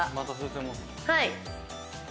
はい。